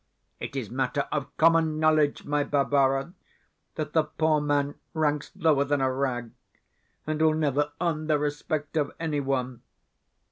It is matter of common knowledge, my Barbara, that the poor man ranks lower than a rag, and will never earn the respect of any one.